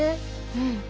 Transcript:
うん。